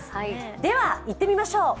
では、行ってみましょう。